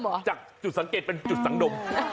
สักใหม่นะจุดสังเกตเป็นจุดสังดม